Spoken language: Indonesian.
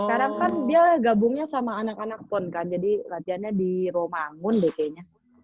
sekarang kan dia gabungnya sama anak anak pun kan jadi latihannya di romangun d kayaknya